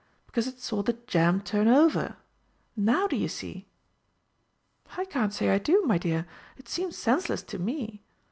Because it saw the jam turnover. Now do you see?" "I can't say I do, my dear. It seems senseless to me.